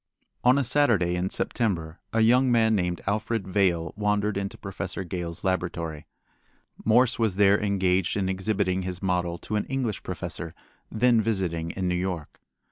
On a Saturday in September a young man named Alfred Vail wandered into Professor Gale's laboratory. Morse was there engaged in exhibiting his model to an English professor then visiting in New York.